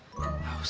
kurang aja nih